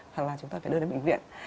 hoặc là chúng ta phải đưa đến bệnh viện